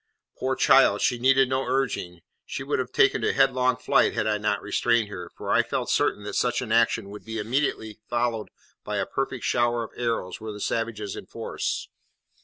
Poor child! she needed no urging; she, would have taken to headlong flight had I not restrained her: for I felt certain that such an action would immediately be followed by a perfect shower of arrows were the savages in force.